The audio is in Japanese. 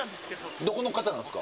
どこの方なんですか？